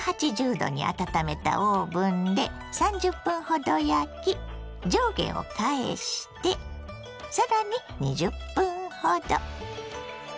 ℃に温めたオーブンで３０分ほど焼き上下を返してさらに２０分ほど。